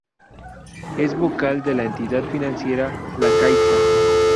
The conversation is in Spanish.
Es vocal de la entidad financiera La Caixa.